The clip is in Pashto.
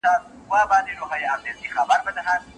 تشه لاسه ته مي دښمن یې.